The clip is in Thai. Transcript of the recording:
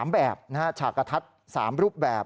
๓แบบฉากทัศน์๓รูปแบบ